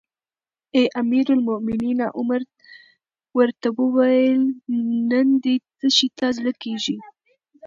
اې امیر المؤمنینه! عمر ورته وویل: نن دې څه شي ته زړه کیږي؟